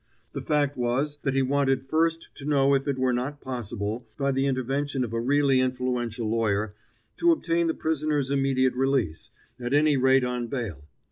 The fact was that he wanted first to know if it were not possible, by the intervention of a really influential lawyer, to obtain the prisoner's immediate release, at any rate on bail.